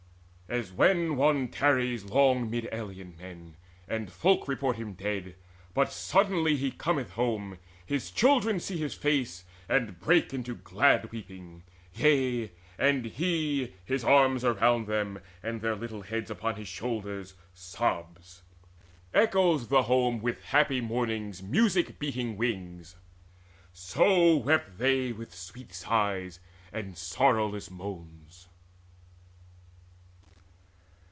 As when one tarries long mid alien men, And folk report him dead, but suddenly He cometh home: his children see his face, And break into glad weeping; yea, and he, His arms around them, and their little heads Upon his shoulders, sobs: echoes the home With happy mourning's music beating wings; So wept they with sweet sighs and sorrowless moans.